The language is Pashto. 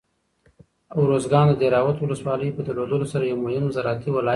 ارزګان د دهراود ولسوالۍ په درلودلو سره یو مهم زراعتي ولایت دی.